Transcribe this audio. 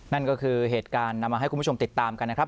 นั่นก็คือเหตุการณ์นำมาให้คุณผู้ชมติดตามกันนะครับ